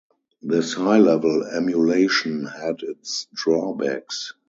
This high-level emulation had its drawbacks.